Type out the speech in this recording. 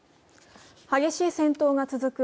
激しい戦闘が続く